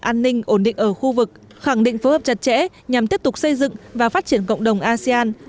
an ninh ổn định ở khu vực khẳng định phối hợp chặt chẽ nhằm tiếp tục xây dựng và phát triển cộng đồng asean